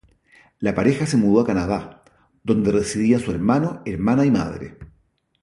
La pareja se mudó a Canadá, donde residían su hermano, hermana y madre.